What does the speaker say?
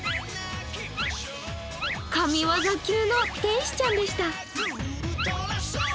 神業級の天使ちゃんでした。